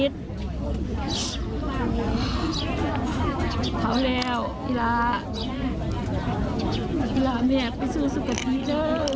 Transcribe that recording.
อีหลาแม่ไปซื้อสุขภิกษ์ด้วย